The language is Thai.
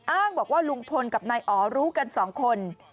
อ้างบอกว่าลุงพลกับนายอ๋อรู้กันสองคน